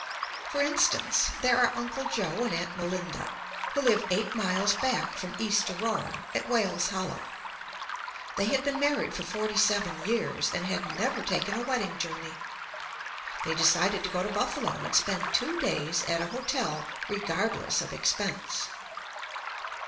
For instance, there are Uncle Joe and Aunt Melinda, who live eight miles back from East Aurora, at Wales Hollow. They had been married for forty seven years, and had never taken a wedding journey. They decided to go to Buffalo and spend two days at a hotel regardless of expense.